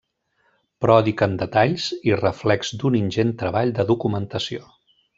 Pròdig en detalls i reflex d'un ingent treball de documentació.